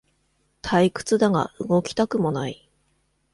退屈だが動きたくもない